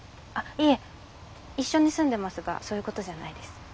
あっいえ一緒に住んでますがそういうことじゃないです。